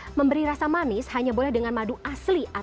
kalau mau memberi rasa manis hanya boleh dengan madu asli atau tidak